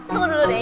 tunggu dulu deh